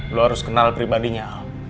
lo harus kenal pribadinya